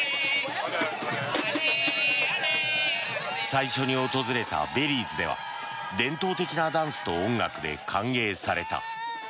最初に訪れたベリーズでは伝統的なダンスと音楽で歓迎された。